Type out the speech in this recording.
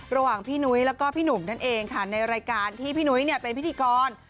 ระหว่างพี่นุ้ยแล้วก็พี่หนุ่มนั่นเองค่ะในรายการที่พี่นุ้ยเนี่ยเป็นพิธีกร